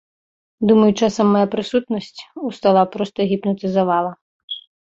Думаю, часам мая прысутнасць у стала проста гіпнатызавала.